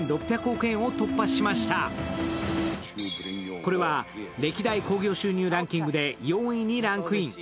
これは歴代興行収入ランキングで４位にランクイン。